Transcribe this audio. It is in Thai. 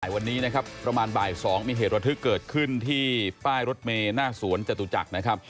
วันนี้นะครับประมาณบ่าย๒มีเหตุระทึกเกิดขึ้นที่ป้ายรถเมย์หน้าสวนจตุจักรนะครับ